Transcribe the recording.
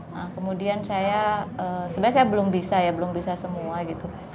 nah kemudian saya sebenarnya saya belum bisa ya belum bisa semua gitu